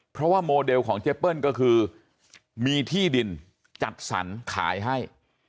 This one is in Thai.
เพราะว่าโมเดลของเจเปิ้ลก็คือมีที่ดินจัดสรรขายให้